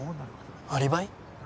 アリバイ？